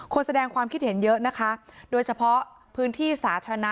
แสดงความคิดเห็นเยอะนะคะโดยเฉพาะพื้นที่สาธารณะ